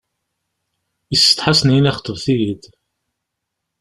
Yessetḥa ad sen-yini xeḍbet-iyi-d.